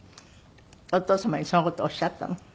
お父様にその事おっしゃったの？